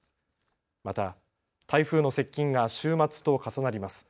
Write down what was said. また台風の接近が週末と重なります。